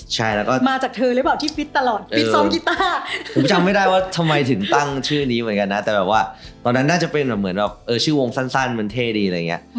ใช่แล้วก็มาจากเธอหรือเปล่าที่ฟิตตลอดฟิตซ้อมกีต้าผมจำไม่ได้ว่าทำไมถึงตั้งชื่อนี้เหมือนกันนะแต่แบบว่าตอนนั้นน่าจะเป็นแบบเหมือนแบบเออชื่อวงสั้นมันเท่ดีอะไรอย่างเงี้ย